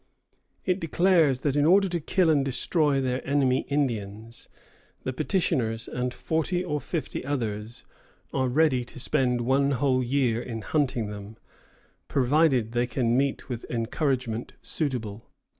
It declares that in order "to kill and destroy their enemy Indians," the petitioners and forty or fifty others are ready to spend one whole year in hunting them, "provided they can meet with Encouragement suitable."